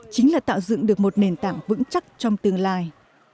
để tạo dựng được một nền tảng vững chắc trong tương lai